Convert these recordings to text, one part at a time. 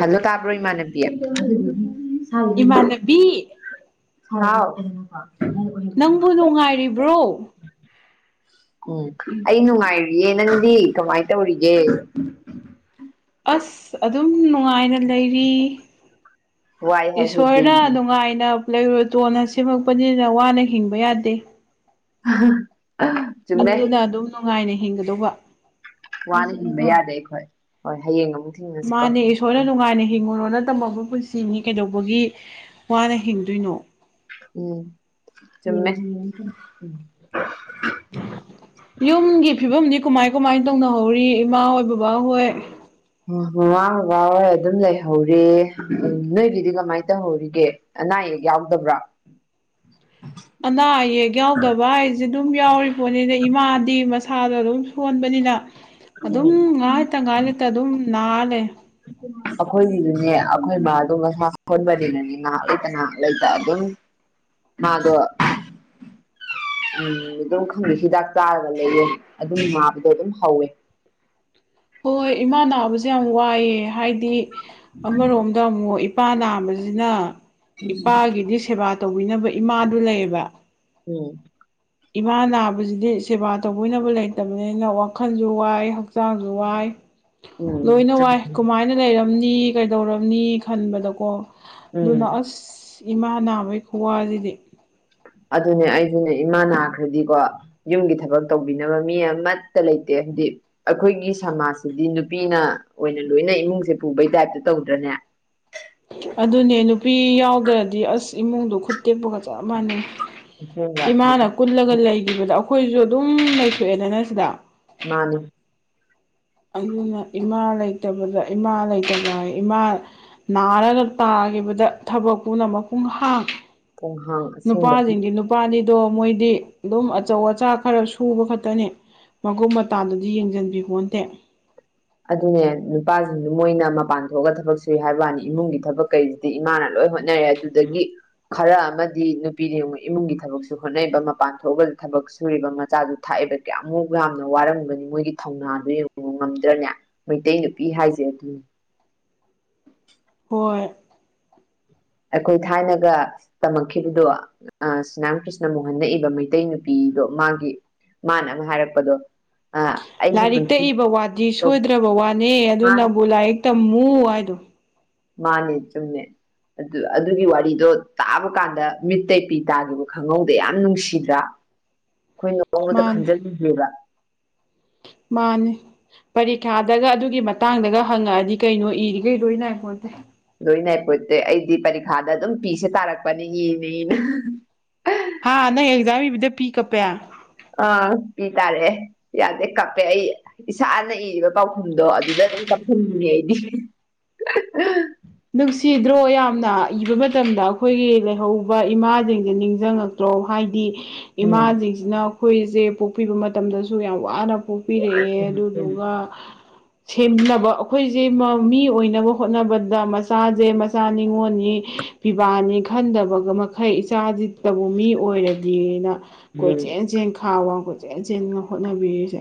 hello ꯇꯥꯕ꯭ꯔꯣ ꯏꯃꯅꯕꯤ ꯏꯃꯥꯟꯅꯕꯤ ꯍꯥꯎ ꯅꯪꯕꯨ ꯅꯨꯡꯉꯥꯏꯔꯤꯕ꯭ꯔꯣ ꯎꯝ ꯑꯩ ꯅꯨꯡꯉꯥꯏꯔꯤꯌꯦ ꯅꯪꯗꯤ ꯀꯃꯥꯏꯅ ꯇꯧꯔꯤꯒꯦ ꯑꯁ ꯑꯗꯨꯝ ꯅꯨꯡꯉꯥꯏꯅ ꯂꯩꯔꯤ ꯋꯥꯏ ꯍꯥꯏ ꯍꯦꯗꯤ ꯏꯁꯣꯔꯅ ꯅꯨꯡꯉꯥꯏꯅ ꯂꯩꯔꯨꯔꯣꯆꯣꯅ ꯁꯦꯝꯃꯛꯄꯅꯤꯅ ꯋꯥꯅ ꯍꯤꯡꯕ ꯌꯥꯗꯦ [unintelligible] ꯑꯗꯨꯅ ꯑꯗꯨꯝ ꯅꯨꯡꯉꯥꯏꯅ ꯍꯤꯡꯒꯗꯧꯕ ꯋꯥꯅ ꯍꯤꯡꯕ ꯌꯥꯗꯦ ꯑꯩꯈꯣꯏ ꯍꯣꯏ ꯍꯌꯦꯡ ꯑꯃꯨꯛ ꯊꯦꯡꯅꯁꯤꯀꯣ ꯃꯥꯅꯦ ꯏꯔꯣꯔꯅ ꯅꯨꯡꯉꯥꯏꯅ ꯍꯤꯡꯉꯨꯔꯣꯅ ꯇꯃꯛꯄ ꯄꯨꯟꯁꯤꯅꯤ ꯀꯩꯗꯧꯕꯒꯤ ꯋꯥꯅ ꯍꯤꯡꯗꯣꯏꯅꯣ ꯎꯝ ꯆꯨꯝꯃꯦ ꯌꯨꯝꯒꯤ ꯐꯤꯕꯝꯗꯤ ꯀꯃꯥꯏ ꯀꯃꯥꯏ ꯇꯧꯅꯍꯧꯔꯤ ꯏꯃꯥ ꯍꯣꯏ ꯕꯕꯥ ꯍꯣꯏ ꯃꯃꯥ ꯕꯕꯥ ꯍꯣꯏ ꯑꯗꯨꯝ ꯂꯩꯍꯧꯔꯦ ꯅꯣꯏꯒꯤꯗꯤ ꯀꯃꯥꯏꯅ ꯇꯧꯍꯧꯔꯤꯒꯦ ꯑꯅꯥꯌꯦꯛ ꯌꯥꯎꯗꯕ꯭ꯔꯥ ꯑꯅꯥ ꯑꯌꯦꯛ ꯌꯥꯎꯗꯕ ꯍꯥꯏꯁꯦ ꯑꯗꯨꯝ ꯌꯥꯎꯔꯤꯔꯤꯕꯣꯠꯅꯤꯅ ꯏꯃꯥꯗꯤ ꯃꯁꯥꯗꯣ ꯑꯗꯨꯝ ꯁꯣꯟꯕꯅꯤꯅ ꯑꯗꯨꯝ ꯎꯝ ꯉꯥꯜꯇ ꯉꯥꯂꯩꯇ ꯑꯗꯨꯝ ꯅꯂꯦ ꯑꯩꯈꯣꯏꯒꯤꯗꯨꯅꯦ ꯑꯩꯈꯣꯏ ꯃꯥꯗꯣ ꯉꯁꯥ ꯁꯣꯟꯕꯅꯤꯅꯅꯤ ꯉꯥꯏꯍꯥꯛ ꯂꯩꯇ ꯉꯍꯥꯛ ꯂꯩꯇ ꯑꯗꯨꯝ ꯃꯥꯗꯣ ꯎꯝ ꯑꯗꯨꯝ ꯈꯪꯗꯦ ꯍꯤꯗꯥꯛ ꯆꯥꯔꯒ ꯂꯩꯔꯦ ꯑꯗꯨꯝ ꯃꯥꯕꯗꯣ ꯑꯗꯨꯝ ꯍꯧꯋꯦ ꯍꯣꯏ ꯍꯣꯏ ꯏꯃꯥ ꯅꯥꯕꯁꯦ ꯌꯥꯝ ꯋꯥꯏꯑꯦ ꯍꯥꯏꯗꯤ ꯑꯃꯔꯣꯝꯗ ꯑꯃꯨꯛ ꯏꯄꯥ ꯅꯥꯝꯕꯁꯤꯅ ꯏꯄꯥꯒꯤꯗꯤ ꯁꯦꯕꯥ ꯇꯧꯕꯤꯅꯕ ꯏꯃꯥꯗꯨ ꯂꯩꯌꯦꯕ ꯎꯝ ꯏꯃꯥ ꯅꯥꯕꯁꯤꯗꯤ ꯁꯦꯕꯥ ꯇꯧꯕꯤꯅꯕ ꯂꯩꯇꯕꯅꯤꯅ ꯋꯥꯈꯜꯁꯨ ꯋꯥꯏ ꯍꯛꯆꯥꯡꯁꯨ ꯋꯥꯏ ꯎꯝ ꯂꯣꯏꯅ ꯋꯥꯏ ꯀꯃꯥꯏꯅ ꯂꯩꯔꯝꯅꯤ ꯀꯩꯗꯧꯔꯝꯅꯤ ꯈꯟꯕꯗꯀꯣ ꯎꯝ ꯑꯗꯨꯅ ꯑꯁ ꯏꯃꯥ ꯅꯥꯕꯒꯤ ꯈꯨꯋꯥꯁꯤꯗꯤ ꯑꯗꯨꯅꯦ ꯑꯩꯖꯨꯅꯦ ꯏꯃꯥ ꯅꯥꯈ꯭ꯔꯗꯤꯀꯣ ꯌꯨꯝꯒꯤ ꯊꯕꯛ ꯇꯧꯕꯤꯅꯕ ꯃꯤ ꯑꯃꯠꯇ ꯂꯩꯇꯦ ꯍꯥꯏꯗꯤ ꯑꯩꯈꯣꯏꯒꯤ ꯁꯃꯥꯖꯁꯤꯗꯤ ꯅꯨꯄꯤꯅ ꯑꯣꯏꯅ ꯂꯣꯏꯅ ꯏꯃꯨꯡꯁꯦ ꯄꯨꯕꯩ ꯇꯥꯏꯞꯇ ꯇꯧꯗ꯭ꯔꯅꯦ ꯑꯗꯨꯅꯦ ꯅꯨꯄꯤ ꯌꯥꯎꯗ꯭ꯔꯗꯤ ꯑꯁ ꯏꯃꯨꯡꯗꯣ ꯈꯨꯠ ꯇꯦꯛꯄꯒ ꯆꯞ ꯃꯥꯟꯅꯩ ꯑꯁꯦꯡꯕ ꯏꯃꯥꯅ ꯀꯨꯜꯂꯒ ꯂꯩꯈꯤꯕꯗ ꯑꯩꯈꯣꯏꯁꯨ ꯑꯗꯨꯝ ꯂꯩꯊꯣꯛꯑꯦꯗꯅ ꯁꯤꯗ ꯃꯥꯅꯦ ꯑꯗꯨꯅ ꯏꯃꯥ ꯂꯩꯇꯕꯗ ꯏꯃꯥ ꯂꯩꯇꯕ ꯏꯃꯥ ꯅꯥꯔꯒ ꯇꯥꯈꯤꯕꯗ ꯊꯕꯛ ꯄꯨꯝꯅꯃꯛ ꯄꯨꯡꯍꯥꯡ ꯄꯨꯡꯍꯥꯡ ꯑꯁꯦꯡꯕ ꯅꯨꯄꯥꯁꯤꯡꯗꯤ ꯅꯨꯄꯥꯅꯤꯗꯣ ꯃꯣꯏꯗꯤ ꯑꯗꯨꯝ ꯑꯆꯧ ꯑꯆꯥ ꯈꯔ ꯁꯨꯕ ꯈꯛꯇꯅꯤ ꯃꯒꯨꯞ ꯃꯇꯥꯗꯨꯗꯤ ꯌꯦꯡꯖꯟꯕꯤꯄꯣꯟꯗꯦ ꯑꯗꯨꯅꯦ ꯅꯨꯄꯥꯁꯤꯡꯗꯨ ꯃꯣꯏꯅ ꯃꯄꯥꯟ ꯊꯣꯛꯑꯒ ꯊꯕꯛ ꯁꯨꯏ ꯍꯥꯏꯕ ꯋꯥꯅꯤ ꯏꯃꯨꯡꯒꯤ ꯊꯕꯛ ꯀꯩꯁꯦ ꯏꯃꯥꯅ ꯂꯣꯏ ꯍꯣꯠꯅꯔꯦ ꯑꯗꯨꯗꯒꯤ ꯈꯔ ꯑꯃꯗꯤ ꯅꯨꯄꯤ ꯏꯃꯨꯡꯒꯤ ꯊꯕꯛꯁꯨ ꯍꯣꯠꯅꯔꯤꯕ ꯃꯄꯥꯟ ꯊꯣꯛꯑꯒ ꯊꯕꯛ ꯁꯨꯔꯤꯕ ꯃꯆꯥꯗꯨ ꯊꯥꯛꯏꯕ ꯀꯌꯥꯃꯨꯛ ꯌꯥꯝꯅ ꯋꯥꯔꯝꯒꯅꯤ ꯃꯣꯏꯒꯤ ꯊꯧꯅꯥꯗꯨ ꯌꯦꯡꯉꯨ ꯉꯝꯗ꯭ꯔꯅ ꯃꯩꯇꯩ ꯅꯨꯄꯤ ꯍꯥꯏꯁꯦ ꯑꯗꯨꯅꯤ ꯍꯣꯏ ꯑꯩꯈꯣꯏ ꯊꯥꯏꯅꯒ ꯇꯝꯃꯛꯈꯤꯕꯗꯣ ꯁꯤꯅꯥꯝ ꯀ꯭ꯔꯤꯁꯅ ꯃꯣꯍꯟꯅ ꯅꯛ ꯏꯕ ꯃꯩꯇꯩ ꯅꯨꯄꯤꯗꯣ ꯃꯥꯒꯤ ꯃꯥꯅ ꯑꯃ ꯍꯥꯏꯔꯛꯄꯗꯣ ꯑ ꯂꯥꯏꯔꯤꯛꯛꯇꯛꯏꯕ ꯋꯥꯗꯤ ꯁꯣꯏꯗ꯭ꯔꯕ ꯋꯥꯅꯦ ꯃꯥꯅ ꯑꯗꯨꯅꯕꯨ ꯂꯥꯏꯔꯤꯛ ꯇꯝꯃꯨ ꯍꯥꯏꯗꯣ ꯃꯥꯅꯦ ꯇꯨꯝꯅꯦ ꯑꯗꯨ ꯑꯗꯨꯒꯤ ꯋꯥꯔꯤꯗꯣ ꯇꯥꯕ ꯀꯥꯟꯗ ꯃꯤꯠ ꯇꯄꯤ ꯇꯥꯈꯤꯕ ꯈꯪꯍꯧꯗ ꯌꯥꯝ ꯅꯨꯡꯁꯤꯗ꯭ꯔꯥ [unintelligible] ꯑꯩꯈꯣꯏ ꯅꯣꯡꯃꯗ ꯃꯥꯅꯦ ꯈꯟꯖꯤꯜꯂꯤꯒꯦꯕ ꯃꯥꯅꯤ ꯄꯔꯤꯈ꯭ꯌꯥꯗꯒ ꯑꯗꯨꯒꯤ ꯃꯇꯥꯡꯗꯒ ꯍꯪꯉꯛꯑꯗꯤ ꯀꯩꯅꯣ ꯏꯔꯤꯈꯩ ꯂꯣꯏꯅ ꯈꯣꯦ ꯂꯣꯏꯅ ꯑꯩꯄꯣꯠꯇꯦ ꯑꯩꯗꯤ ꯄꯔꯤꯈꯥꯗ ꯑꯗꯨꯝ ꯄꯤꯁꯦ ꯇꯥꯔꯛꯄꯅꯦ ꯌꯦꯡꯉꯦꯅ ꯍꯥ ꯅꯪ ꯑꯦꯛꯖꯥꯝ ꯏꯕꯤꯗ ꯄꯤ ꯀꯞꯄꯦ ꯑꯥ ꯏ ꯇꯥꯔꯦ ꯌꯥꯗꯦ ꯀꯞꯄꯦ ꯑꯩ ꯏꯁꯥꯅ ꯏꯔꯤꯕ ꯄꯥꯎꯈꯨꯝꯗꯣ ꯑꯗꯨꯗ ꯑꯗꯨꯝ ꯆꯥꯁꯤꯟꯅꯦ ꯑꯩꯗꯤ ꯅꯨꯡꯁꯤꯗ꯭ꯔꯣ ꯌꯥꯝꯅ ꯏꯕ ꯃꯇꯝꯗ ꯑꯩꯈꯣꯏꯒꯤ ꯂꯩꯍꯧꯕ ꯏꯃꯥꯁꯤꯡꯁꯦ ꯅꯤꯡꯁꯤꯡꯉ ꯇ꯭ꯔꯣ ꯍꯥꯏꯗꯤ ꯎꯝ ꯏꯃꯥꯁꯤꯡꯁꯤꯅ ꯑꯩꯈꯣꯏꯁꯦ ꯄꯣꯛꯄꯤꯕ ꯃꯇꯝꯗꯁꯨ ꯌꯥꯝ ꯋꯥꯅ ꯊꯣꯛꯣꯛꯄꯤꯔꯛꯑꯦ ꯑꯗꯨꯗꯨꯒ ꯁꯦꯝꯅꯕ ꯑꯩꯈꯣꯏꯁꯦ ꯃꯤ ꯑꯣꯏꯅꯕ ꯍꯣꯠꯅꯕꯗ ꯃꯆꯥꯁꯦ ꯃꯆꯥ ꯅꯤꯉꯣꯜꯅꯤ ꯐꯤꯕꯥꯅꯤ ꯈꯟꯗꯕꯒ ꯃꯈꯩ ꯏꯆꯥꯁꯤ ꯇꯕꯨ ꯃꯤ ꯑꯣꯏꯔꯗꯤꯅ ꯀꯣꯏ ꯎꯝ ꯆꯦꯟ ꯆꯦꯟ ꯈꯥꯎ ꯋꯥ ꯀꯣꯏ ꯆꯦꯟ ꯆꯦꯟꯅ ꯍꯣꯠꯅꯕꯤꯔꯤꯁꯦ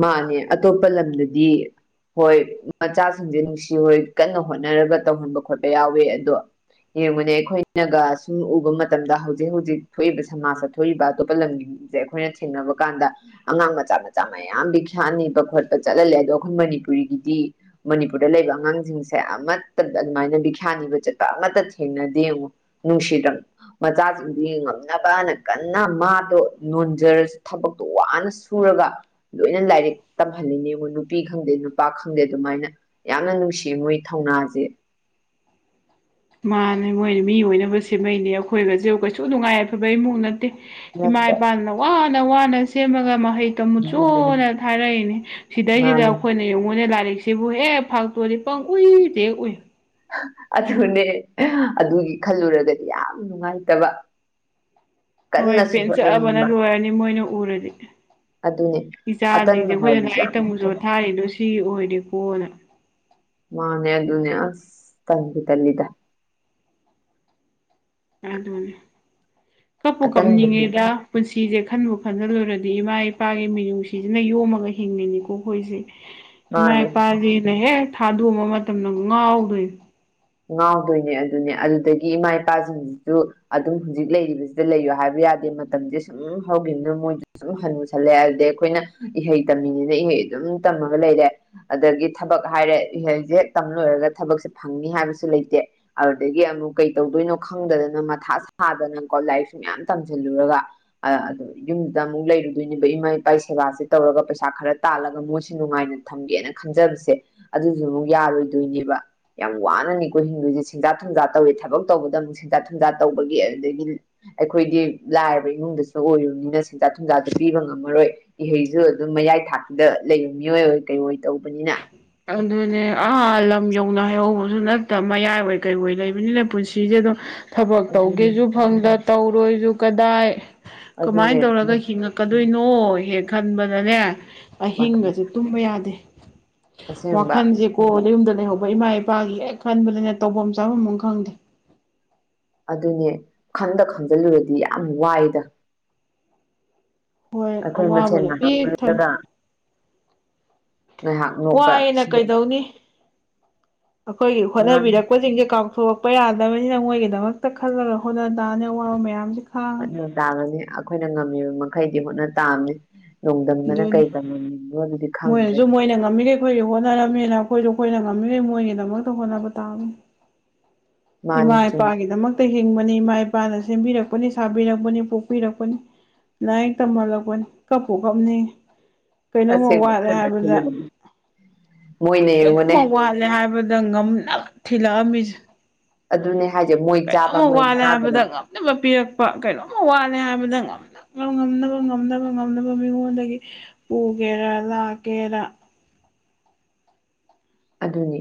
ꯃꯥꯅꯦ ꯑꯇꯣꯞꯄ ꯂꯝꯗꯗꯤ ꯍꯣꯏ ꯃꯆꯥꯁꯤꯡꯁꯦ ꯅꯨꯡꯁꯤ ꯍꯣꯏ ꯀꯟꯅ ꯍꯣꯠꯅꯔꯒ ꯇꯧꯍꯟꯕ ꯈꯣꯠꯄ ꯌꯥꯎꯋꯦ ꯑꯗꯣ ꯌꯦꯡꯕꯅꯦ ꯑꯩꯈꯣꯏꯅꯒ ꯁꯨꯝ ꯎꯕ ꯃꯇꯝꯗ ꯍꯧꯖꯤꯛ ꯍꯧꯖꯤꯛ ꯊꯣꯛꯏꯕ ꯁꯃꯥꯖꯇ ꯊꯣꯛꯏꯕ ꯑꯇꯣꯞꯄ ꯂꯝꯒꯤ ꯁꯦ ꯑꯩꯈꯣꯏꯅ ꯊꯦꯡꯅꯕ ꯀꯥꯟꯗ ꯑꯉꯥꯡ ꯃꯆꯥ ꯃꯆꯥ ꯃꯌꯥꯝ ꯈ꯭ꯌꯥꯅꯤꯕ ꯈꯣꯠꯄ ꯆꯠꯍꯜꯂꯦ ꯑꯗꯣ ꯑꯩꯈꯣꯏ ꯃꯅꯤꯄꯨꯔꯤꯒꯤꯗꯤ ꯃꯅꯤꯄꯨꯔꯗ ꯂꯩꯕ ꯑꯉꯥꯡꯁꯤꯡꯁꯦ ꯑꯃꯠꯇ ꯑꯗꯨꯃꯥꯏꯅ ꯕꯤꯈ꯭ꯌꯥꯅꯤꯕ ꯆꯠꯄ ꯑꯃꯠꯇ ꯊꯦꯡꯅꯗꯦ ꯌꯦꯡꯉꯣ ꯅꯨꯡꯁꯤꯔꯕ ꯃꯆꯥꯁꯤꯡꯗꯨ ꯉꯝꯅꯕꯅ ꯀꯟꯅ ꯃꯥꯗꯣ ꯅꯣꯟꯖꯔ ꯊꯕꯛꯇꯣ ꯋꯥꯅ ꯁꯨꯔꯒ ꯂꯣꯏꯅ ꯂꯥꯏꯔꯤꯛ ꯇꯝꯍꯜꯂꯤꯅꯦꯕ ꯅꯨꯄꯤ ꯈꯪꯗꯦ ꯅꯨꯄꯥ ꯈꯪꯗꯦ ꯑꯗꯨꯃꯥꯏꯅ ꯌꯥꯝꯅ ꯅꯨꯡꯁꯤꯌꯦ ꯃꯣꯏ ꯊꯧꯅꯥꯁꯦ ꯃꯥꯅꯦ ꯃꯣꯏꯅ ꯃꯤ ꯑꯣꯏꯅꯕ ꯁꯦꯝꯃꯩꯅꯦ ꯑꯩꯈꯣꯏꯒꯁꯦ ꯀꯩꯁꯨ ꯅꯨꯡꯉꯥꯏꯐꯕ ꯏꯃꯨꯡꯛ ꯅꯠꯇꯦ ꯏꯃꯥ ꯅꯠꯇ꯭ꯔ ꯏꯄꯥꯅ ꯋꯥꯅ ꯋꯥꯅ ꯁꯦꯝꯃꯒ ꯃꯍꯩ ꯎꯝ ꯃꯨꯠꯆꯨꯅ ꯊꯥꯔꯛꯏꯅꯤ ꯁꯤꯗꯩꯁꯤꯗ ꯃꯥꯅꯤ ꯑꯩꯈꯣꯏꯅ ꯌꯦꯡꯉꯣꯏꯅꯦ ꯂꯥꯏꯔꯤꯛ ꯁꯤꯕꯨ ꯑꯦꯦ ꯐꯥꯛꯇꯣꯗꯤ ꯄꯪ ꯎꯏꯗꯦ ꯎꯏ ꯑꯗꯨꯅꯦ ꯑꯗꯨꯒꯤ ꯈꯜꯂꯨꯔꯒꯗꯤ ꯌꯥꯝ ꯅꯨꯡꯉꯥꯏꯇꯕ ꯍꯣꯏ ꯀꯟꯅꯁꯨ ꯄꯦꯟ ꯆꯠꯑꯕꯅ ꯍꯣꯠꯅꯅꯤꯡꯕ ꯂꯣꯏꯔꯅꯤ ꯃꯣꯏꯅ ꯎꯔꯗꯤ ꯑꯗꯨꯅꯦ ꯏꯆꯥꯁꯤꯡꯁꯦ ꯑꯇꯟꯕ ꯑꯩꯈꯣꯏꯅ ꯍꯥꯏꯕꯁꯦ ꯂꯥꯏꯔꯤꯛ ꯌꯥꯝ ꯇꯝꯝꯕꯁꯨ ꯊꯥꯔꯤꯗꯣ ꯁꯤ ꯑꯣꯏꯔꯦꯀꯣꯅ ꯃꯥꯅꯦ ꯑꯗꯨꯅ ꯇ ꯇ ꯂꯩꯗ ꯑꯗꯨꯅꯦ ꯀꯞꯄꯨ ꯑꯇꯟꯕꯁꯦ ꯀꯞꯅꯤꯡꯉꯤꯗ ꯄꯨꯟꯁꯤꯁꯦ ꯈꯟꯕꯨ ꯈꯟꯍꯜꯂꯨꯔꯗꯤ ꯏꯃꯥ ꯏꯄꯥꯒꯤ ꯃꯤꯅꯨꯡꯁꯤꯁꯤꯅ ꯌꯣꯝꯃꯒ ꯍꯤꯡꯉꯤꯅꯤꯀꯣ ꯑꯩꯈꯣꯏꯁꯦ ꯏꯃꯥ ꯃꯥꯅꯦ ꯏꯄꯥꯁꯤꯅ ꯍꯦꯛ ꯊꯥꯗꯣꯡꯕ ꯃꯇꯝꯗ ꯉꯥꯎꯗꯣꯏꯅꯦ ꯉꯥꯎꯗꯣꯏꯅꯦ ꯑꯗꯨꯅꯦ ꯑꯗꯨꯗꯒꯤ ꯏꯃꯥ ꯏꯄꯥꯁꯤꯡꯁꯤꯁꯨ ꯑꯗꯨꯝ ꯍꯧꯖꯤꯛ ꯂꯩꯔꯤꯕꯁꯤꯗ ꯂꯩꯌꯣ ꯍꯥꯏꯕ ꯌꯥꯗꯦ ꯃꯇꯝꯁꯦ ꯁꯨꯝ ꯍꯧꯈꯤꯕꯅ ꯃꯣꯏ ꯁꯨꯝ ꯍꯟꯨꯁꯜꯂꯦ ꯑꯗꯨꯗꯒꯤ ꯑꯩꯈꯣꯏꯅ ꯏꯍꯩ ꯇꯝꯃꯤꯅꯤꯅ ꯏꯍꯩ ꯑꯗꯨꯝ ꯇꯝꯃꯒ ꯂꯩꯔꯦ ꯑꯗꯒꯤ ꯊꯕꯛ ꯍꯥꯏꯔꯦ ꯏꯍꯁꯦ ꯍꯦꯛ ꯇꯝ ꯂꯣꯏꯔꯒ ꯊꯕꯛꯁꯦ ꯐꯪꯅꯤ ꯍꯥꯏꯕꯁꯨ ꯂꯩꯇꯦ ꯑꯗꯨꯗꯒꯤ ꯑꯃꯨꯛ ꯀꯩ ꯇꯧꯗꯣꯏꯅꯣ ꯈꯪꯗꯗꯅ ꯃꯊꯥ ꯁꯥꯗꯅꯀꯣ ꯂꯥꯏꯔꯤꯛꯁꯨ ꯃꯌꯥꯝ ꯇꯝꯁꯤꯜꯂꯨꯔꯒ ꯑ ꯌꯨꯝꯗ ꯑꯃꯨꯛ ꯂꯩꯔꯨꯗꯣꯏꯅꯦꯕ ꯏꯃꯥ ꯏꯄꯥ ꯏ ꯁꯦꯕꯥꯁꯤꯦ ꯇꯧꯔꯒ ꯄꯩꯁꯥ ꯈꯔ ꯇꯥꯜꯂꯒ ꯃꯣꯏꯁ ꯅꯨꯡꯉꯥꯏꯅꯅꯤ ꯊꯝꯒꯦꯅ ꯈꯟꯖꯕꯁꯦ ꯑꯗꯨꯁꯨ ꯑꯃꯨ ꯌꯥꯔꯣꯏꯗꯣꯏꯅꯦꯕ ꯌꯥꯝ ꯋꯥꯅꯅꯤ ꯑꯩꯈꯣꯏ ꯍꯤꯟꯗꯨꯣꯏꯁꯦ ꯁꯦꯟꯖꯥ ꯊꯨꯝꯖꯥ ꯇꯧꯋꯤ ꯊꯕꯛ ꯇꯧꯕꯗ ꯑꯃꯨꯛ ꯁꯦꯟꯖꯥ ꯊꯨꯝꯖꯥ ꯇꯧꯕꯒꯤ ꯑꯗꯨꯗꯒꯤ ꯑꯩꯈꯣꯏꯗꯤ ꯂꯥꯏꯔꯕ ꯏꯃꯨꯡꯗꯁꯨ ꯑꯣꯏꯔꯨꯅꯤꯅ ꯁꯦꯟꯖꯥ ꯊꯨꯝꯖꯥꯗ ꯄꯤꯕ ꯉꯝꯃꯔꯣꯏ ꯏꯍꯩꯁꯨ ꯑꯗꯨꯝ ꯃꯌꯥꯏ ꯊꯥꯛꯇꯨꯗ ꯂꯩꯕ ꯃꯤꯑꯣꯏ ꯑꯣꯏ ꯀꯩꯅ ꯑꯣꯏ ꯇꯧꯕꯅꯤꯅ ꯑꯗꯨꯅꯦ ꯑꯥ ꯂꯝ ꯌꯧꯅ ꯍꯩꯍꯧꯕꯁꯨ ꯅꯠꯇꯕ ꯃꯌꯥꯏ ꯑꯣꯏꯏ ꯀꯩ ꯑꯣꯏꯣꯏ ꯂꯩꯕꯅꯤꯅ ꯄꯨꯟꯁꯤꯁꯦ ꯑꯗꯝ ꯊꯕꯛ ꯑꯗꯨꯅꯦ ꯇꯧꯒꯦꯁꯨ ꯐꯪꯗ ꯇꯧꯔꯣꯏꯁꯨ ꯀꯗꯥꯏ ꯑꯗꯨꯅꯦ ꯀꯃꯥꯏꯅ ꯇꯧꯔꯒ ꯍꯤꯡꯉꯛ ꯀꯛꯀꯗꯣꯏꯅꯣ ꯍꯦꯛ ꯈꯟꯕꯗꯅꯦ ꯃꯇꯝ ꯑꯍꯤꯡꯕꯁꯦ ꯇꯨꯝꯕ ꯌꯥꯗꯦ ꯑꯁꯦꯡꯕ ꯋꯥꯈꯟꯁꯦ ꯀꯣꯗ ꯌꯨꯝꯗ ꯂꯩꯍꯧꯕ ꯏꯃꯥ ꯏꯄꯥꯒꯤ ꯍꯦꯛ ꯈꯟꯕꯅꯤꯅ ꯇꯧꯐꯝ ꯆꯥꯐꯝ ꯑꯃ ꯈꯪꯗꯦ ꯑꯗꯨꯅꯦ ꯈꯟꯗ ꯈꯟꯖꯤꯜꯂꯨꯔꯗꯤ ꯌꯥꯝ ꯋꯥꯏꯗ ꯍꯣꯏ ꯑꯩꯈꯣꯏ ꯃꯁꯦꯜ ꯑꯋꯥꯕꯅ ꯄꯤꯛ ꯊꯜꯂꯤ ꯗꯒ ꯋꯥꯏꯅ ꯀꯩꯗꯧꯅꯤ ꯑꯩꯈꯣꯏꯒꯤ ꯍꯣꯠꯅꯕꯤꯔꯛꯄꯁꯤꯡꯁꯦ ꯀꯥꯡꯊꯣꯛ ꯌꯥꯗꯕꯅꯤꯅ ꯃꯣꯏꯒꯤꯗꯃꯛꯇ ꯈꯜꯂꯒ ꯍꯣꯠꯅ ꯇꯥꯅꯤ ꯑꯋꯥꯕ ꯃꯌꯥꯝꯁꯦ ꯀꯟꯅ ꯈꯥꯡꯉꯒ ꯇꯥꯕꯅꯤ ꯑꯩꯈꯣꯏꯅ ꯉꯝꯃꯤꯕ ꯃꯈꯩꯗꯤ ꯍꯣꯠꯅ ꯇꯥꯝꯃꯦ ꯅꯣꯡꯗꯝꯗꯅ ꯑꯗꯨꯅꯤ ꯀꯩ ꯇꯝꯝꯅꯤꯡꯅꯣ ꯑꯗꯨꯗꯤ ꯈꯪꯗ꯭ꯔꯦ ꯃꯣꯏꯅꯁꯨ ꯃꯣꯏꯅ ꯉꯝꯃꯤꯔꯦ ꯑꯩꯈꯣꯏꯒꯤ ꯍꯣꯠꯅꯔꯝꯃꯤꯅ ꯑꯩꯈꯣꯏꯁꯨ ꯑꯩꯈꯣꯏꯅ ꯉꯝꯃꯤꯈꯩ ꯃꯣꯏꯒꯤꯗꯃꯛꯇ ꯍꯣꯠꯅꯕ ꯇꯥꯕꯅꯤ ꯃꯥꯅꯤ ꯏꯃꯥ ꯆꯨꯝꯃꯤ ꯏꯄꯥꯒꯤꯗ ꯃꯒ ꯛꯇ ꯍꯤꯡꯕꯅꯤ ꯏꯃꯥ ꯏꯄꯥꯅ ꯁꯦꯝꯕꯤꯔꯛꯄꯅꯤ ꯁꯥꯕꯤꯔꯛꯄꯅꯤ ꯄꯣꯛꯄꯤꯔꯛꯄꯅꯤ ꯂꯅꯥꯏꯛ ꯇꯝꯍꯜꯂꯛꯄꯅꯤ ꯀꯞꯄꯨ ꯀꯞꯅꯤ ꯀꯩꯅꯣꯝꯃ ꯑꯁꯦꯡꯕ ꯋꯥꯠꯂꯦ ꯈꯟꯅ ꯍꯥꯏꯕꯗ ꯈꯜꯂꯨꯕꯅꯤ ꯃꯣꯏꯅ ꯌꯦꯡꯉꯨꯅꯦ ꯀꯩꯅꯣꯝꯃ ꯋꯥꯠꯂꯦ ꯂ ꯍꯥꯏꯕꯗ ꯉꯝꯅ ꯊꯤꯜꯂꯛꯑꯝꯃꯤꯁꯦ ꯑꯗꯨꯅꯦ ꯍꯥꯏꯁꯦ ꯃꯣꯏ ꯆꯥꯕ ꯃꯣꯏ ꯆꯥꯗꯅ ꯈꯠꯅꯕ ꯄꯤꯔꯛꯄ ꯀꯩꯅꯣꯝꯃ ꯋꯥꯠꯂꯦ ꯍꯥꯏꯕꯗ ꯉꯝꯅꯕ ꯉꯝꯅꯕ ꯉꯝꯗ ꯑꯗꯨꯒ ꯃꯤꯉꯣꯟꯗꯒꯤ ꯄꯨꯒꯦꯔꯥ ꯂꯥꯛꯀꯦꯔ ꯑꯗꯨꯅꯤ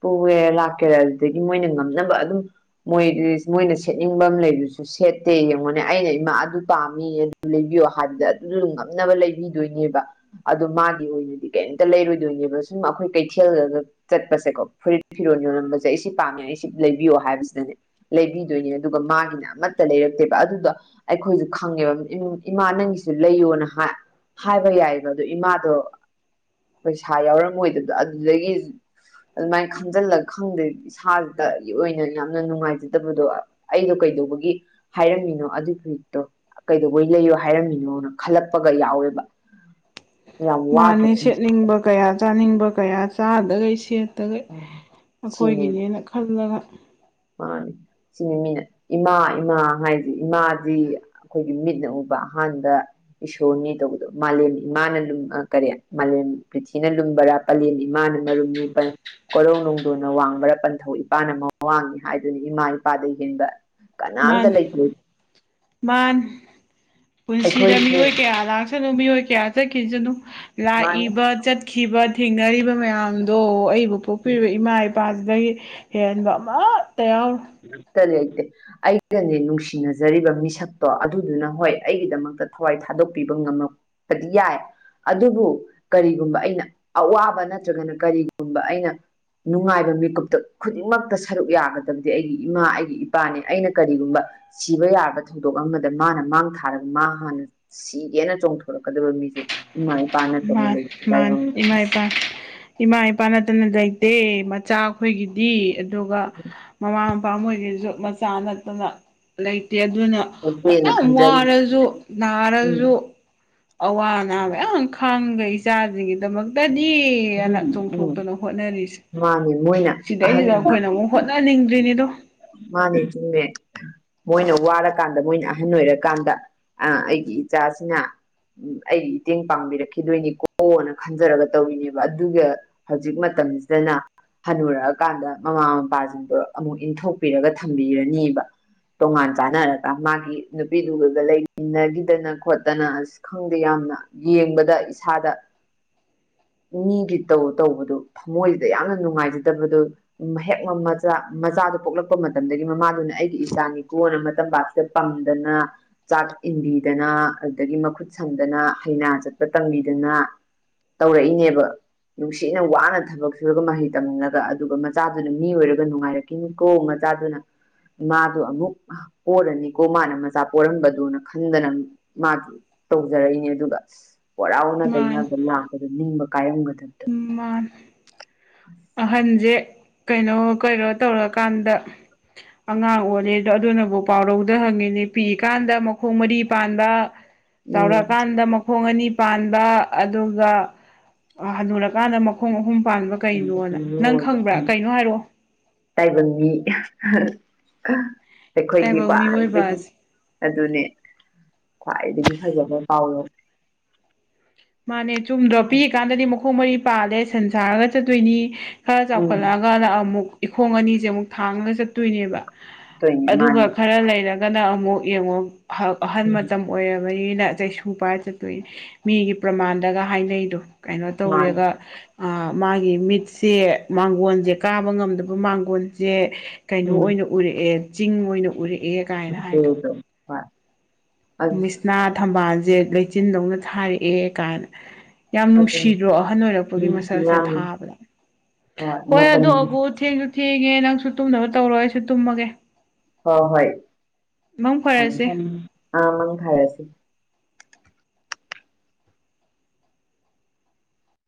ꯄꯨꯋꯦꯔ ꯂꯥꯛꯀꯦꯔꯥ ꯑꯗꯨꯗꯒꯤ ꯃꯣꯏꯅ ꯉꯝꯅꯕ ꯑꯗꯨꯝ ꯃꯣꯏ ꯃꯣꯏꯅ ꯁꯦꯠꯅꯤꯡꯕ ꯂꯩꯕꯁꯨ ꯁꯦꯠꯇꯦ ꯌꯦꯡꯉꯣꯅꯦ ꯑꯩꯅ ꯏꯃꯥ ꯑꯗꯨ ꯄꯥꯝꯃꯤ ꯂꯩꯕꯤꯌꯣ ꯍꯥꯏꯕꯗ ꯑꯗꯨꯝ ꯂꯨꯉꯝꯅꯕ ꯂꯩꯕꯤꯗꯣꯏꯅꯦꯕ ꯑꯗꯣ ꯃꯥꯒꯤ ꯑꯣꯏꯅꯗꯤ ꯀꯩꯇ ꯂꯩꯔꯣꯏꯗꯣꯏꯅꯦꯕ ꯁꯨꯝ ꯑꯩꯈꯣꯏ ꯀꯩꯊꯦꯜ ꯊꯦꯜꯂꯒ ꯆꯠꯄꯁꯦꯀꯣ ꯐꯨ ꯐꯤꯔꯣꯟ ꯌꯣꯜꯂꯝꯕꯁꯦ ꯑꯩ ꯁꯤ ꯄꯥꯝꯃꯦ ꯑꯩ ꯁꯤ ꯂꯩꯕꯤꯌꯣ ꯍꯥꯏꯕꯁꯤꯗꯅꯦ ꯂꯩꯕꯤꯗꯣꯏꯅꯦ ꯑꯗꯨꯒ ꯃꯥꯒꯤꯅ ꯑꯃꯠꯇ ꯂꯩꯔꯛꯇꯦꯕ ꯑꯗꯨꯗꯣ ꯑꯩꯈꯣꯏꯁꯨ ꯈꯪꯉꯦꯕ ꯏꯃꯥ ꯅꯪꯒꯤꯁꯨ ꯂꯩꯌꯣꯅ ꯍꯥꯏ ꯍꯥꯏꯕ ꯌꯥꯏꯕ ꯑꯗꯨ ꯏꯃꯥꯗꯣ ꯄꯩꯁꯥ ꯌꯥꯎꯔꯝꯃꯣꯏꯗꯕꯗꯣ ꯑꯗꯨꯗꯒꯤ ꯑꯗꯨꯃꯥꯏꯅ ꯈꯪꯖꯤꯜꯂꯒ ꯈꯪꯗꯦꯗꯤ ꯏꯁꯥꯗ ꯑꯣꯏꯅ ꯌꯥꯝꯅ ꯅꯨꯡꯉꯥꯏꯖꯗꯕꯗꯣ ꯑꯩꯗꯣ ꯀꯩꯗꯧꯕꯒꯤ ꯍꯥꯏꯔꯝꯃꯤꯅꯣ ꯑꯗꯨꯒꯤꯨꯠꯇꯣ ꯀꯩꯗꯧꯕꯩ ꯂꯩꯌꯣ ꯍꯥꯏꯔꯝꯃꯤꯅꯣꯅ ꯈꯜꯂꯛꯄꯒ ꯌꯥꯎꯋꯦꯕ ꯌꯥꯝ ꯃꯥꯅꯦ ꯋꯥꯈ꯭ꯔꯦ ꯁꯦꯠꯅꯤꯡꯕ ꯀꯌꯥ ꯆꯥꯅꯤꯡꯕ ꯀꯌꯥ ꯆꯥꯗꯒꯩ ꯁꯦꯠ ꯑ ꯁꯤꯅꯤ ꯑꯩꯈꯣꯏꯒꯤꯅꯦꯅ ꯈꯜꯂꯒ ꯃꯥꯅꯤ ꯁꯤꯅꯤ ꯃꯤꯅꯦ ꯏꯃꯥ ꯏꯃꯥ ꯍꯥꯏꯁꯤ ꯏꯃꯥꯗꯤ ꯑꯩꯈꯣꯏꯒꯤ ꯃꯤꯠꯅ ꯎꯕ ꯑꯍꯥꯟꯕ ꯏꯁꯣꯔꯅꯤ ꯇꯧꯕꯗꯣ ꯃꯥꯂꯦꯝꯅꯤ ꯃꯥꯅ ꯀꯔꯤ ꯃꯥꯂꯦꯝ ꯄ꯭ꯔꯤꯊꯤꯅ ꯂꯨꯝꯕꯔꯥ ꯀꯂꯦꯟ ꯏꯃꯥꯅ ꯃꯔꯨꯝꯅꯤ ꯀꯣꯔꯧ ꯅꯅꯨꯡꯗꯣꯟꯅ ꯋꯥꯡꯕꯔꯥ ꯄꯟꯊꯧ ꯏꯄꯥꯅ ꯃꯋꯥꯡꯉ ꯍꯥꯏꯗꯨꯅꯤ ꯏꯃꯥ ꯏꯄꯥꯗ ꯍꯦꯟꯕ ꯀꯅꯥꯝꯇ ꯂꯩꯇꯦ ꯃꯥꯥꯟ ꯄꯨꯟꯁꯤꯗ ꯑꯩꯈꯣꯏꯁꯦ ꯃꯤꯑꯣꯏ ꯀꯌꯥ ꯂꯥꯛ ꯆꯠꯅꯨ ꯃꯤꯑꯣꯏ ꯀꯌꯥ ꯆꯠꯈꯤꯁꯅꯨ ꯃꯥꯅꯤ ꯂꯥꯛꯏꯕ ꯆ ꯈꯤꯕ ꯊꯦꯡꯅꯔꯤꯕ ꯃꯌꯥꯝꯗꯣ ꯑꯩꯕꯨ ꯄꯣꯛꯄꯤꯔꯤꯕ ꯏꯃꯥ ꯏ ꯅꯨꯄꯥꯁꯤꯗꯒꯤ ꯍꯦꯟꯦꯟꯕ ꯑꯃꯠꯇ ꯌꯥꯎ ꯁꯔꯤ ꯑꯥꯏꯦ ꯑꯩꯒꯅꯦ ꯅꯨꯡꯁꯤꯅꯖꯔꯤꯕ ꯃꯤꯁꯛꯇꯣ ꯑꯗꯨꯗꯨꯅ ꯍꯣꯏ ꯑꯩꯒꯤꯗꯃꯛꯇ ꯊꯋꯥꯏ ꯊꯥꯗꯣꯛꯄꯤꯕ ꯉꯝꯃꯛ ꯐꯗꯤꯌꯥ ꯑꯗꯨꯕꯨ ꯀꯔꯤꯒꯨꯝꯕ ꯑꯩꯅ ꯑꯋꯥꯕ ꯅꯠꯇ꯭ꯔꯒꯅ ꯀꯔꯤꯒꯨꯝꯕ ꯑꯩꯅ ꯅꯨꯡꯉꯥꯏꯕ ꯃꯤꯀꯨꯞꯇ ꯈꯨꯗꯤꯡꯃꯛꯇ ꯁꯔꯨꯛ ꯌꯥꯒꯗꯕꯅꯤ ꯑꯩꯒꯤ ꯏꯃꯥ ꯑꯩꯒꯤ ꯏꯄꯥꯅꯦ ꯑꯩꯅ ꯀꯔꯤꯒꯨꯝꯕ ꯁꯤꯕ ꯌꯥꯕ ꯊꯧꯗꯣꯛ ꯑꯃꯗ ꯃꯥꯅ ꯃꯥꯡ ꯊꯥꯔꯒ ꯃꯥ ꯍꯥꯟꯅ ꯁꯤꯒꯦꯅ ꯆꯣꯡꯊꯣꯔꯛꯀꯗꯕ ꯃꯤꯖꯨ ꯏꯃꯥ ꯏꯄꯥ ꯅꯠꯇꯅ ꯃꯥꯅꯤ ꯂꯩ ꯃꯥꯅꯤ ꯇꯥꯏꯕꯪꯗ ꯏꯃꯥ ꯏꯄꯥ ꯏꯃꯥ ꯏꯄꯥ ꯅꯠꯇꯅ ꯂꯩꯇꯦ ꯃꯆꯥ ꯑꯩꯈꯣꯏꯒꯤꯗꯤ ꯑꯗꯨꯒ ꯃꯃꯥ ꯃꯄꯥꯝ ꯍꯣꯏꯒꯤꯁꯨ ꯃꯆꯥ ꯅꯠꯇꯅ ꯂꯩꯇꯦ ꯑꯗꯨꯅ ꯑ ꯃ ꯈꯟꯖꯔꯤ ꯑꯔꯁꯨ ꯎꯝ ꯅꯔꯖꯨ ꯑꯋꯥ ꯑꯅꯥ ꯃꯌꯥꯝ ꯈꯪꯕꯦ ꯏꯆꯥꯁꯤꯡꯒꯤꯗꯃꯛꯇꯗꯤ ꯁꯤꯑꯥꯅ ꯎꯝ ꯎꯝ ꯆꯣꯡꯊꯣꯛꯇꯅ ꯍꯣꯠꯅꯔꯤꯁꯦ ꯃꯥꯅꯦ ꯃꯣꯏꯅ ꯑꯍꯟ ꯁꯤꯗꯩꯁꯤꯗ ꯑꯩꯈꯣꯏꯅ ꯑꯃꯨꯛ ꯍꯣꯠꯅꯅꯤꯡꯗ꯭ꯔꯤꯅꯦꯗꯣ ꯃꯥꯅꯤꯇꯃꯦ ꯃꯣꯏꯅ ꯋꯥꯔꯀꯥꯟꯗ ꯃꯣꯏꯅ ꯑꯍꯟ ꯑꯣꯏꯔꯀꯥꯟꯗ ꯑ ꯑꯩꯒꯤ ꯏꯆꯥꯁꯤꯅ ꯎꯝ ꯑꯩ ꯃꯇꯦꯡ ꯄꯥꯡꯕꯤꯔꯛꯈꯤꯗꯣꯏꯅꯤꯀꯣꯅ ꯈꯟꯖꯔꯒ ꯇꯧꯔꯤꯅꯦꯕ ꯑꯗꯨꯒ ꯍꯧꯖꯤꯛ ꯃꯇꯝꯁꯤꯗꯅ ꯍꯟꯟꯅꯨꯔꯛꯑꯀꯥꯟꯗ ꯃꯃꯥ ꯃꯄꯥꯁꯤꯡꯗꯣ ꯑꯃꯨꯛ ꯏꯟꯊꯣꯛ ꯥꯛꯄꯤꯔꯒ ꯊꯝꯕꯤꯔꯅꯦꯕ ꯇꯣꯉꯥꯟ ꯆꯥꯟꯅꯔꯒ ꯃꯥꯒꯤ ꯅꯨꯄꯤꯗꯨꯒꯗ ꯂꯩꯃꯤꯟꯅꯒꯤꯗꯅ ꯈꯣꯠꯇꯅ ꯑꯁ ꯈꯪꯗꯦ ꯌꯥꯝꯅ ꯌꯦꯡꯕꯗ ꯏꯁꯥꯗ ꯃꯤꯒꯤ ꯇꯧ ꯇꯧꯕꯗꯨꯣ ꯊꯃꯣꯏꯁꯤꯗ ꯌꯥꯝꯅ ꯅꯨꯡꯉꯥꯏꯖꯗꯕꯗꯨꯣ ꯍꯦꯛ ꯃꯆꯥ ꯃꯆꯥꯗꯨꯣ ꯄꯣꯛꯂꯛ ꯊꯣꯛꯛꯄ ꯃꯇꯝꯗꯒꯤ ꯃꯃꯥꯗꯨꯅ ꯑꯩꯒꯤ ꯏꯆꯥꯅꯤꯀꯣꯟꯅ ꯃꯇꯝ ꯄꯥꯛꯁꯤꯗ ꯄꯝꯗꯅ ꯆꯥꯛ ꯏꯟꯕꯤꯗꯅ ꯑꯗꯨꯗꯒꯤ ꯃꯈꯨꯠ ꯁꯝꯗꯅ ꯍꯩꯅꯥ ꯆꯠꯄ ꯇꯝꯕꯤꯗꯅ ꯇꯧꯔꯛꯏꯅꯦꯕ ꯅꯨꯡꯁꯤꯅ ꯋꯥꯅ ꯊꯕꯛ ꯁꯨꯔꯒ ꯃꯍꯩ ꯇꯝꯜꯂꯒ ꯑꯗꯨꯒ ꯃꯆꯥꯗꯨꯅ ꯃꯤ ꯑꯣꯏꯔꯒ ꯅꯨꯡꯉꯥꯏꯔꯛꯈꯤꯅꯤꯀꯣ ꯆꯥꯗꯨꯅ ꯃꯥꯥꯗꯣ ꯑꯃꯨꯛ ꯄꯔꯅꯤꯀꯣ ꯃꯥꯅ ꯃꯆꯥ ꯄꯔꯝꯕꯗꯨꯣꯅ ꯈꯟꯗꯅ ꯃꯥꯒꯤ ꯇꯧꯖꯔꯛꯏꯅꯦ ꯑꯗꯨꯒ ꯋꯥꯔꯥꯎꯅ ꯇꯩꯅꯕ ꯂꯥꯛꯄꯗ ꯅꯤꯡꯕ ꯀꯥꯏꯔꯝꯒꯗꯕ ꯎ ꯃꯥ ꯑꯍꯟꯁꯦ ꯀꯩꯅꯣ ꯀꯔꯣ ꯇꯧꯔꯀꯥꯟꯗ ꯑꯉꯥꯡ ꯑꯣꯜꯂꯦ ꯑꯗꯣ ꯑꯗꯨꯅꯕꯨ ꯄꯥꯎꯔꯧꯗ ꯍꯪꯉꯤꯅꯦ ꯄꯤꯀꯥꯟꯗ ꯃꯈꯣꯡ ꯃꯔꯤ ꯄꯥꯟꯕ ꯆꯥꯎꯔꯛꯑꯀꯥꯟꯗ ꯃꯈꯣꯡ ꯑꯅꯤ ꯄꯥꯟꯕ ꯑꯗꯨꯒ ꯍꯟꯗꯨꯔꯀꯥꯟꯗ ꯃꯈꯣꯡ ꯑꯍꯨꯝ ꯄꯥꯟꯕ ꯀꯩꯅꯣꯅ ꯅꯪ ꯈꯪꯕ꯭ꯔꯥ ꯀꯩꯅꯣ ꯍꯥꯏꯔꯛꯑꯣ ꯇꯥꯏꯕꯪꯒꯤ ꯇꯥꯏꯕꯪ ꯃꯤꯑꯣꯏꯕ ꯑꯩꯈꯣꯏꯒꯤꯀꯣꯗꯒꯤ ꯑꯁꯦ ꯑꯗꯨꯅꯦ ꯈ꯭ꯋꯥꯏꯗꯒꯤ ꯐꯖꯕ ꯄꯥꯎꯗꯣ ꯃꯥꯅꯦ ꯆꯨꯝꯗ꯭ꯔꯣ ꯄꯤꯛꯀꯥꯟꯗꯗꯤ ꯃꯈꯣꯡ ꯃꯔꯤ ꯄꯥꯜꯂꯦ ꯁꯟ ꯁꯥꯔꯒ ꯆꯠꯇꯣꯏꯅꯤ ꯈꯔ ꯎꯝ ꯆꯥꯎꯈꯠꯂꯛꯑꯒ ꯑꯃꯨꯛ ꯏꯈꯣꯡ ꯑꯅꯤꯁꯦ ꯑꯃꯨꯛ ꯊꯥꯡꯉꯒ ꯆꯠꯇꯣꯏꯅꯦꯕ ꯇꯣꯏꯅꯦ ꯑꯗꯨꯒ ꯃꯥꯅꯦ ꯈꯔ ꯂꯩꯔꯒꯅ ꯑꯃꯨꯛ ꯌꯦꯡꯉꯨ ꯑ ꯑꯍꯜ ꯎꯝ ꯃꯇꯝ ꯑꯣꯏꯔꯕꯅꯤꯅ ꯆꯩꯁꯨ ꯄꯥꯏꯔ ꯆꯠꯇꯣꯏ ꯃꯤꯒꯤ ꯄ꯭ꯔꯃꯥꯟꯗꯒ ꯍꯥꯏꯅꯩꯗꯣ ꯀꯩꯅꯣ ꯃꯥꯅꯦ ꯇꯧꯔꯦꯒ ꯑꯥ ꯃꯥꯒꯤ ꯃꯤꯠꯁꯦ ꯃꯥꯡꯒꯣꯟꯖꯦ ꯀꯥꯕ ꯉꯝꯗꯕ ꯃꯥꯡꯒꯣꯟꯖꯦ ꯀꯩꯅꯣ ꯎꯝ ꯑꯣꯏꯅ ꯎꯔꯛꯑꯦ ꯆꯤꯡ ꯑꯣꯏꯅ ꯎꯔꯛꯑꯦ ꯀꯥꯏꯅ ꯇ ꯍꯥꯏꯗꯣ ꯍ ꯃꯤꯁꯅꯥ ꯊꯝꯕꯥꯜꯖꯦ ꯂꯩꯆꯤꯟꯗꯧꯅ ꯊꯥꯔꯛꯑꯦ ꯀꯥꯏꯅ ꯌꯥꯝ ꯑꯗꯨ ꯅꯨꯡꯁꯤꯗ꯭ꯔꯣ ꯑꯍꯟ ꯑꯣꯏꯔꯛꯄꯒꯤ ꯃꯁꯛꯁꯦ ꯌꯥꯝ ꯊꯥꯕꯗ ꯍꯣꯏ ꯑꯗꯨ ꯑꯒꯨ ꯊꯦꯡꯁꯨ ꯊꯦꯡꯉꯦ ꯅꯪꯁꯨ ꯇꯨꯝꯅꯕ ꯇꯧꯔꯣ ꯑꯩꯁꯨ ꯇꯨꯝꯃꯒꯦ ꯍꯣꯏ ꯍꯣꯏ ꯃꯪ ꯊꯝꯃꯦ ꯐꯔꯁꯦ ꯊꯝꯃꯦ ꯑꯥ ꯃꯪ ꯍꯥꯏꯔꯁꯤ